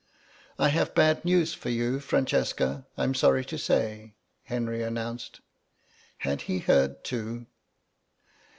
"I have bad news for you, Francesca, I'm sorry to say," Henry announced. Had he heard, too?